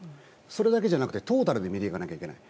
それだけじゃなくてトータルで見ていかないといけない。